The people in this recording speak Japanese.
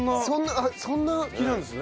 そんな好きなんですね。